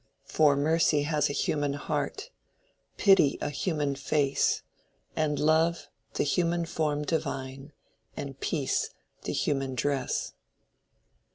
...... For Mercy has a human heart, Pity a human face; And Love, the human form divine; And Peace, the human dress.